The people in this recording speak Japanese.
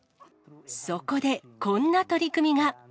そこでこんな取り組みが。